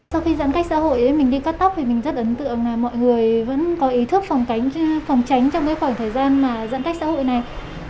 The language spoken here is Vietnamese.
sau khi giãn cách xã hội mình đi cát tóc thì mình rất ấn tượng là mọi người vẫn có ý thức phòng tránh trong cái khoảng thời gian mà giãn cách xã hội này